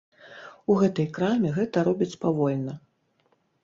У гэтай краме гэта робяць павольна.